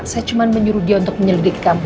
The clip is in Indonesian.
saya cuma menyuruh dia untuk menyelidiki